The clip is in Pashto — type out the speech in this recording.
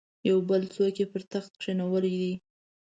یو بل څوک یې پر تخت کښېنولی دی.